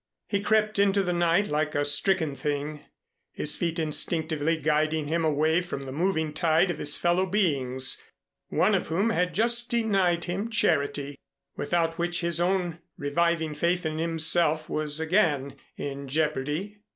He crept into the night like a stricken thing, his feet instinctively guiding him away from the moving tide of his fellow beings one of whom had just denied him charity without which his own reviving faith in himself was again in jeopardy.